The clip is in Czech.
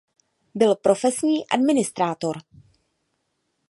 Byl profesí administrátor.